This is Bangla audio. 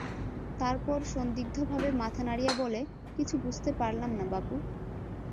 তারপর সন্দিগ্ধভাবে মাথা নাড়িয়া বলে, কিছু বুঝতে পারলাম না বাপু।